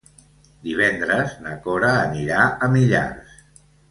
Divendres na Cora anirà a Millars.